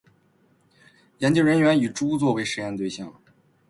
研究人员以猪作为实验对象